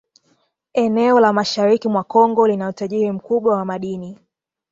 Eneo la Mashariki mwa Kongo lina utajiri mkubwa wa madini